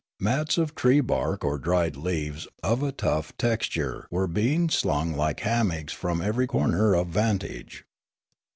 Mats of tree bark or dried leaves of a tough texture were being slung like hammocks from every corner of vantage.